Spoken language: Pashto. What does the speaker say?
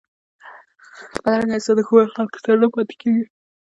بدرنګه انسان د ښو خلکو سره نه پاتېږي